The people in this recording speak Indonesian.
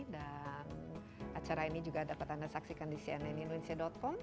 acara ini juga dapat anda saksikan di cnnindonesia com